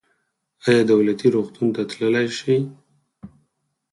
ایا دولتي روغتون ته تللی شئ؟